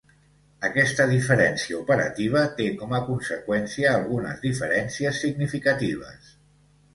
Aquesta diferència operativa té com a conseqüència algunes diferències singificatives.